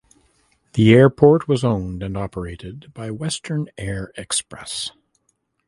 The airport was owned and operated by Western Air Express.